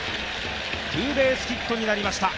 ツーベースヒットになりました。